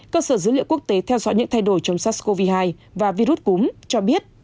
cơ sở dữ liệu quốc tế theo dõi những thay đổi chống sát covid hai và virus cúm cho biết